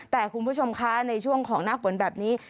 แต่คุณผู้ชมคะในช่วงของหน้าฝนแบบนี้